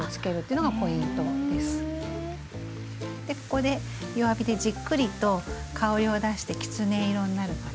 ここで弱火でじっくりと香りを出してきつね色になるまで。